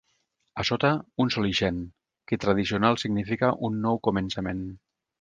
A sota, un sol ixent, que tradicional significa un nou començament.